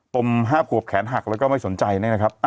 ผมห้าบหัวแขนหักแล้วก็ไม่สนใจนะครับ